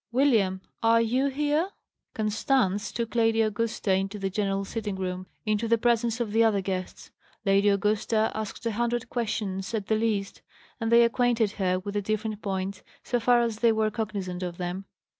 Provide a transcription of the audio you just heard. William, are you here?" Constance took Lady Augusta into the general sitting room, into the presence of the other guests. Lady Augusta asked a hundred questions, at the least; and they acquainted her with the different points, so far as they were cognizant of them.